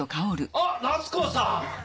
あっ夏子さん！